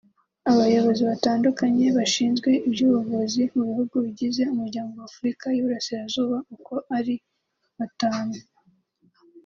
Abayobozi batandukanye bashinzwe iby’ubuvuzi mu bihugu bigize Umuryango w’Afurika y’Uburasirazuba uko ari batanu